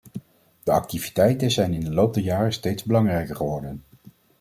De activiteiten zijn in de loop der jaren steeds belangrijker geworden.